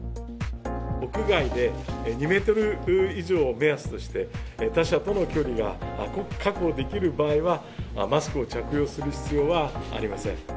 屋外で２メートル以上を目安として、他者との距離が確保できる場合は、マスクを着用する必要はありません。